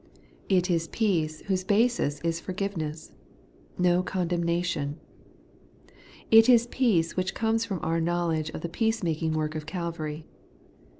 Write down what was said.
It is peace whose basis is forgiveness, ' no condemna tion.' It is peace which comes from our knowledge of the peace making work of Calvary.